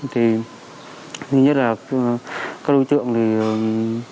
thứ nhất là các đối tượng luôn